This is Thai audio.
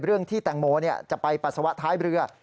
เรื่องที่แตงโมจะไปปัสสาวะท้ายเรือ